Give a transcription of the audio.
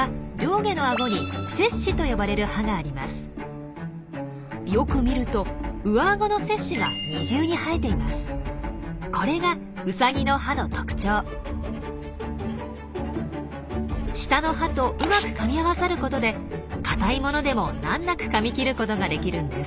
下の歯とうまくかみ合わさることで硬いものでも難なくかみ切ることができるんです。